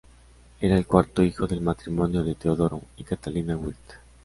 Era el cuarto hijo del matrimonio de Teodoro y Catalina Wirth.